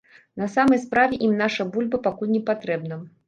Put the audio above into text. На самай справе, ім наша бульба пакуль не патрэбна.